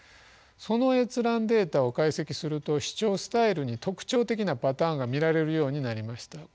その閲覧データを解析すると視聴スタイルに特徴的なパターンが見られるようになりました。